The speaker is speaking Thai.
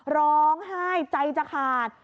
ร้องไห้ใจจะขาด